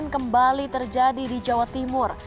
kembali terjadi di jawa timur